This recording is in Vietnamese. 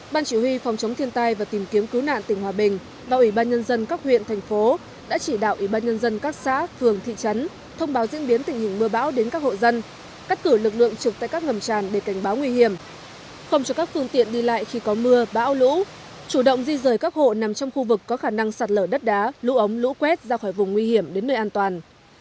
ban chỉ huy phòng chống thiên tai và tìm kiếm cứu nạn tỉnh hòa bình và ủy ban nhân dân các huyện thành phố đã chỉ đạo ủy ban nhân dân các xã phường thị trấn thông báo diễn biến tình hình mưa bão đến các hộ dân cắt cử lực lượng trực tại các ngầm tràn để cảnh báo nguy hiểm không cho các phương tiện đi lại khi có mưa bão lũ chủ động di rời các hộ nằm trong khu vực có khả năng sạt lở đất đá lũ ống lũ quét ra khỏi vùng nguy hiểm đến nơi an toàn